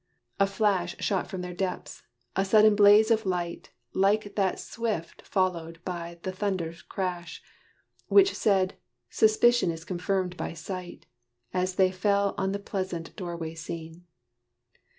A flash Shot from their depths: a sudden blaze of light Like that swift followed by the thunder's crash, Which said, "Suspicion is confirmed by sight," As they fell on the pleasant door way scene.